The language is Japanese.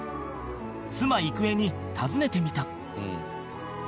妻郁恵に尋ねてみた